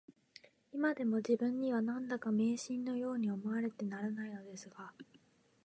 いまでも自分には、何だか迷信のように思われてならないのですが